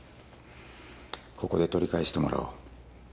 ここで取り返してもらおう。